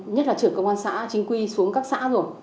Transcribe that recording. nhất là trưởng công an xã chính quy xuống các xã rồi